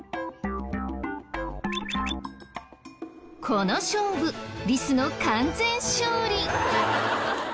この勝負リスの完全勝利！